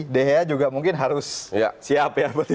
dehea juga mungkin harus siap ya